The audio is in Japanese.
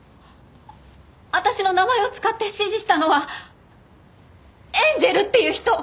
私の名前を使って指示したのはエンジェルっていう人。